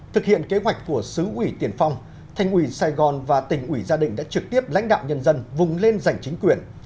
thực hiện kế hoạch của xứ ủy tiền phong thành ủy sài gòn và tỉnh ủy gia đình đã trực tiếp lãnh đạo nhân dân vùng lên giành chính quyền